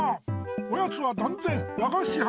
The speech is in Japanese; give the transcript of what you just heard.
おやつはだんぜんだがしは。